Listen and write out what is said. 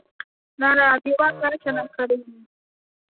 นราธิวาสราชนครินทร์